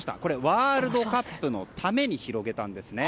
ワールドカップのために広げたんですね。